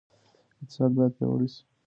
اقتصاد باید پیاوړی سي.